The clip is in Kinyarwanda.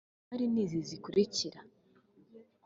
imari ni izi zikurikira